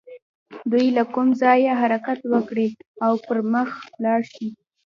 دوی له کوم ځايه حرکت وکړي او پر مخ لاړ شي.